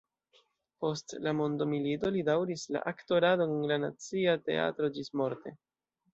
Post la mondomilito li daŭris la aktoradon en la Nacia Teatro ĝismorte.